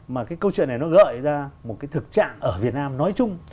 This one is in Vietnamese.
mà cái câu chuyện này nó gợi ra một cái thực trạng ở việt nam nói chung